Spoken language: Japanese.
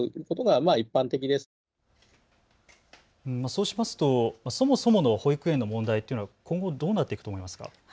そうしますとそもそもの保育園の問題、今後どうなっていくと思いますか。